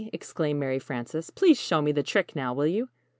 exclaimed Mary Frances. "Please show me the trick now, will you?"